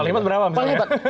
paling hebat berapa misalnya